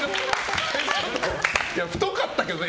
太かったけどね